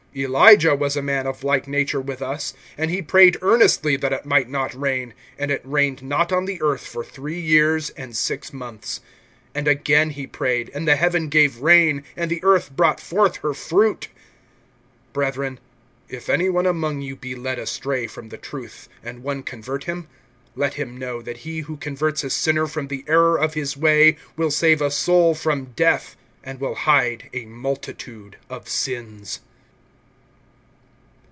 (17)Elijah was a man of like nature with us; and he prayed earnestly that it might not rain, and it rained not on the earth for three years and six months. (18)And again he prayed, and the heaven gave rain, and the earth brought forth her fruit. (19)Brethren, if any one among you be led astray from the truth, and one convert him; (20)let him know, that he who converts a sinner from the error of his way will save a soul from death, and will hide a multitude of sins.